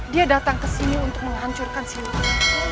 dia datang kesini untuk menghancurkan siliwangi